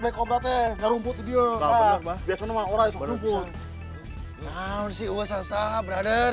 black cobra teh rumput dia biasa orang berhubung nah sih usaha usaha brother